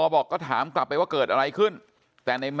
ตรของหอพักที่อยู่ในเหตุการณ์เมื่อวานนี้ตอนค่ำบอกให้ช่วยเรียกตำรวจให้หน่อย